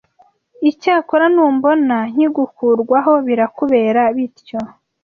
Icyakora, numbona nkigukurwaho, birakubera bityo